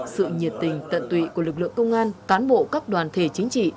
sự nhiệt tình tận tụy của lực lượng công an cán bộ các đoàn thể chính trị